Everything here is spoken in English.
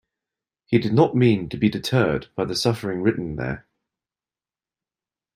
He did not mean to be deterred by the suffering written there.